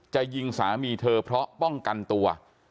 จะยิงสามีเธอเพราะป้องกันตัว